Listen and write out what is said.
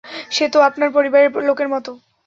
সে তো আপনার পরিবারের লোকের মতো।